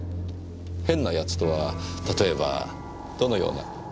変な奴とは例えばどのような？